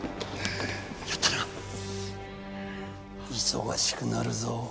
忙しくなるぞ。